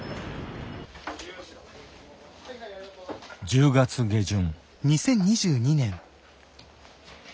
１０月下旬。